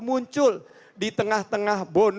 muncul di tengah tengah